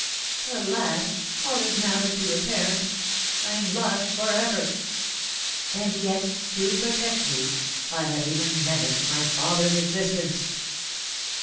"Alas! All is now but too apparent. I am lost for ever!" "And yet to protect you, I had even menaced my father's existence!"